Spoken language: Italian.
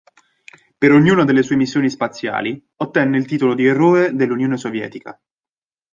Per ognuna delle sue missioni spaziali ottenne il titolo di Eroe dell'Unione Sovietica.